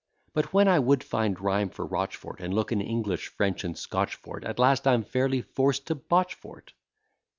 But when I would find rhyme for Rochfort, And look in English, French, and Scotch for't, At last I'm fairly forced to botch for't.